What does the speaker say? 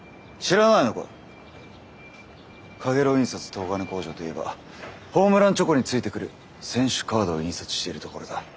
東金工場といえばホームランチョコについてくる選手カードを印刷しているところだ。